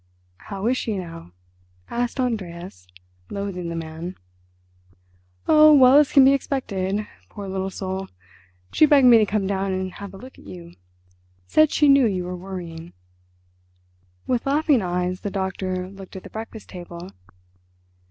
"How is she now?" asked Andreas, loathing the man. "Oh, well as can be expected, poor little soul. She begged me to come down and have a look at you. Said she knew you were worrying." With laughing eyes the doctor looked at the breakfast table.